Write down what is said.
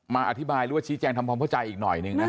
อธิบายหรือว่าชี้แจงทำความเข้าใจอีกหน่อยหนึ่งนะ